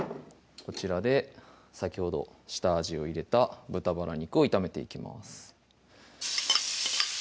こちらで先ほど下味を入れた豚バラ肉を炒めていきます